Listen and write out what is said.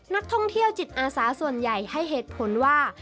นักท่องเที่ยวจิตอาสาส่วนใหญ่ให้เหตุผลว่า